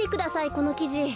このきじ。